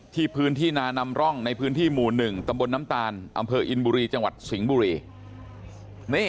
ที่พื้นที่นานำร่องในพื้นที่หมู่๑ตำบลน้ำตาลอำเภออินบุรีจังหวัดสิงห์บุรี